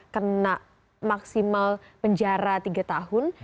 kena maksimal penjara tiga tahun